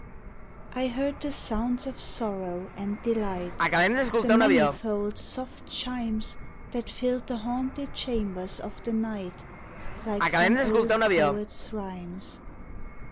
I heard the sounds of sorrow and delight, The manifold, soft chimes, That filled the haunted chambers of the Night, Like some old poet's rhymes.